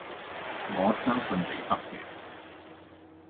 我相信你得嘅